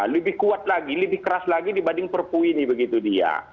lebih kuat lagi lebih keras lagi dibanding perpu ini begitu dia